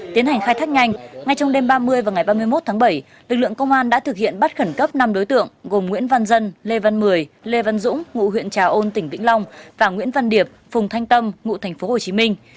tiến hành khai thác nhanh ngay trong đêm ba mươi và ngày ba mươi một tháng bảy lực lượng công an đã thực hiện bắt khẩn cấp năm đối tượng gồm nguyễn văn dân lê văn mười lê văn dũng ngụ huyện trà ôn tỉnh vĩnh long và nguyễn văn điệp phùng thanh tâm ngụ thành phố hồ chí minh